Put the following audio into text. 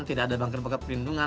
tidak ada bunker bunker perlindungan